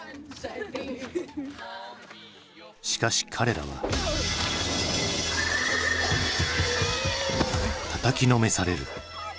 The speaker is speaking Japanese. しかし彼らは。たたきのめされる。